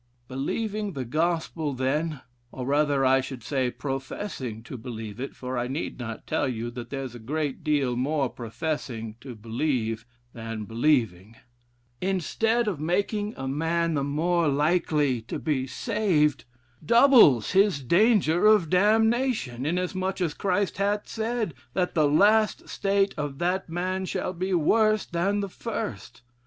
Believing the gospel, then, (or rather, I should say, professing to believe it, for I need not tell you that there's a great deal more professing to believe, than believing,) instead of making a man the more likely to be saved, doubles his danger of damnation, inasmuch as Christ hath said, that 'the last state of that man shall be worse than the first.'